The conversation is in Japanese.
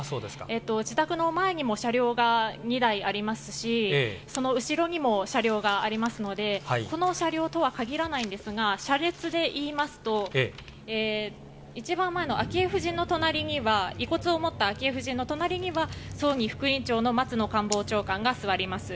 自宅の前にも車両が２台ありますしその後ろにも車両がありますのでこの車両とは限らないんですが車列で言いますと、一番前の遺骨を持った昭恵夫人の隣には葬儀副委員長の松野官房長官が座ります。